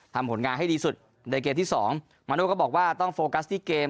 ผลงานให้ดีสุดในเกมที่สองมาโน่ก็บอกว่าต้องโฟกัสที่เกม